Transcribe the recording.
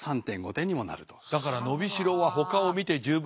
だから伸びしろはほかを見て十分。